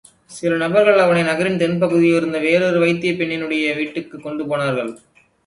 சில நபர்கள்.அவனை நகரின் தென்பகுதியிலிருந்த வேறொரு வைத்தியப் பெண்ணினுடைய வீட்டுக்குக் கொண்டுபோனார்கள்.